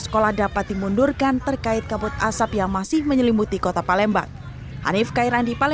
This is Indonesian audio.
sekolah dapat dimundurkan terkait kabut asap yang masih menyelimuti kota palembang hanif kairandi pale